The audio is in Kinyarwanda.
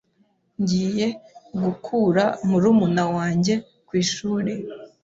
Ngiye gukura murumuna wanjye ku ishuri.